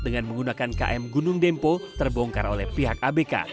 dengan menggunakan km gunung dempo terbongkar oleh pihak abk